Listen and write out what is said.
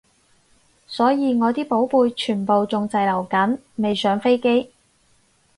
所以我啲寶貝全部仲滯留緊未上飛機